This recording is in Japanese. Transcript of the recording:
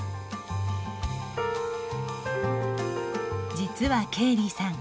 実はケイリーさん